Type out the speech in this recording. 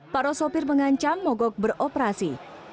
para sopir mengancam mogok beroperasi